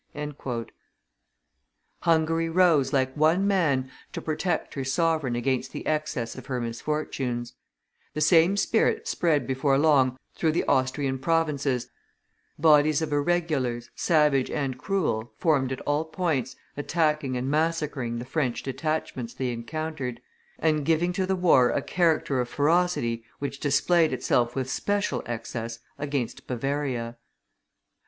[Illustration: "Moriamur pro rege nostro." 142] Hungary rose, like one man, to protect her sovereign against the excess of her misfortunes; the same spirit spread before long through the Austrian provinces; bodies of irregulars, savage and cruel, formed at all points, attacking and massacring the French detachments they encountered, and giving to the war a character of ferocity which displayed itself with special excess against Bavaria.